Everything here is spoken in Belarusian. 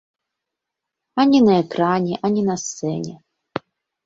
Ані на экране, ані на сцэне.